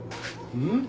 うん？